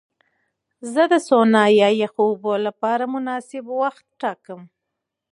زه د سونا یا یخو اوبو لپاره مناسب وخت ټاکم.